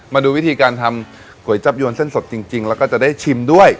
มาดูวิธีการทำก๋วยจับยวนเส้นสดจริงแล้วก็จะได้ชิมด้วย